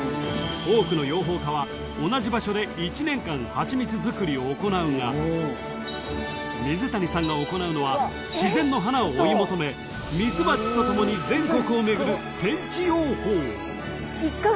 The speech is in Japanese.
［多くの養蜂家は同じ場所で１年間ハチミツ作りを行うが水谷さんが行うのは自然の花を追い求めミツバチと共に全国を巡る］